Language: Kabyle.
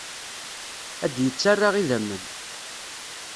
Ad d-yettarra idammen.